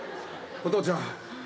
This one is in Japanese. お父ちゃん